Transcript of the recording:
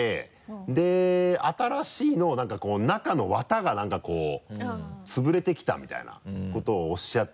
で新しいのを何かこう中の綿が何かこうつぶれてきたみたいなことをおっしゃってて。